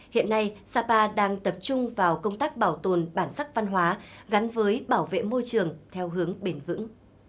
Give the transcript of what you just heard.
hiện nay sapa đang tập trung vào công tác bảo tồn bản sắc văn hóa gắn với bảo vệ môi trường theo hướng bền vững